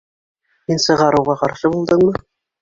Һин сығарыуға ҡаршы булдыңмы?